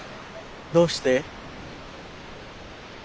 どうして？